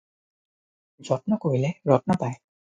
যত্ন কৰিলে ৰত্ন পায়।